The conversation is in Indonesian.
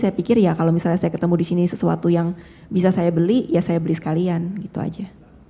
saya pikir ya kalau misalnya saya ketemu di sini sesuatu yang bisa saya beli ya saya beli sekalian gitu aja